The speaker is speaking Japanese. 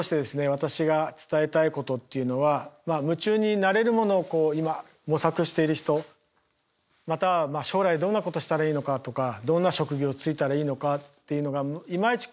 私が伝えたいことっていうのは夢中になれるものをこう今模索している人または将来どんなことしたらいいのかとかどんな職業就いたらいいのかっていうのがいまいち